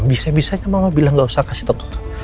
bisa bisanya mama bilang gak usah kasih tau